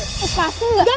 eh pasti gak